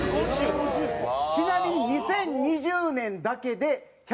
ちなみに２０２０年だけで１８４回。